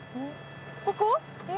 ここ？